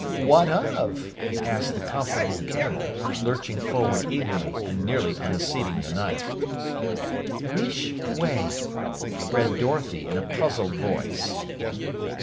"What of?" asked the Comfortable Camel, lurching forward eagerly and nearly unseating the Knight. W I S H W A Y read Dorothy in a puzzled voice.